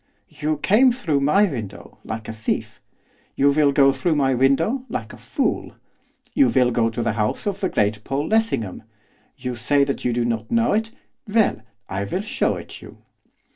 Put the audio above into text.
'You came through my window, like a thief. You will go through my window, like a fool. You will go to the house of the great Paul Lessingham. You say you do not know it? Well, I will show it you.